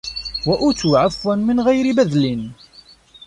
وَأُوتُوهُ عَفْوًا مِنْ غَيْرِ بَذْلٍ